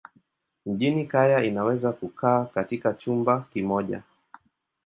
Mjini kaya inaweza kukaa katika chumba kimoja.